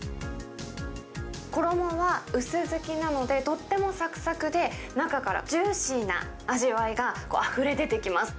衣は薄づきなので、とってもさくさくで、中からジューシーな味わいがあふれ出てきます。